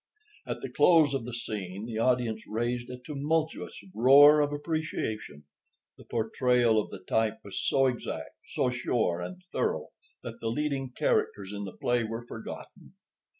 At the close of the scene the audience raised a tumultuous roar of appreciation. The portrayal of the type was so exact, so sure and thorough, that the leading characters in the play were forgotten.